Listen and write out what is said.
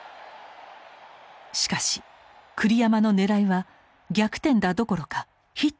しかし栗山のねらいは逆転打どころかヒットでもなかった。